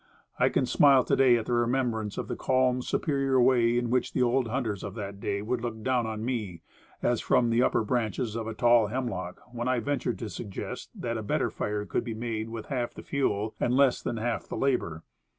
I can smile to day at the remembrance of the calm, superior way in which the old hunters of that day would look down on me, as from the upper branches of a tall hemlock, when I ventured to suggest that a better fire could be made with half the fuel and less than half the labor.